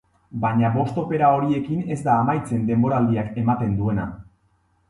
Baina bost opera horiekin ez da amaitzen denboraldiak ematen duena.